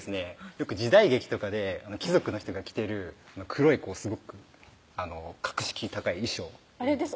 よく時代劇とかで貴族の人が着てる黒いすごく格式高い衣装あれです